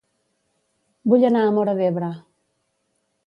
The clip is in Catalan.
Vull anar a Móra d'Ebre